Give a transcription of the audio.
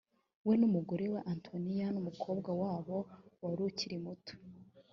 we n umugore we antonia n umukobwa wabo wari ukiri muto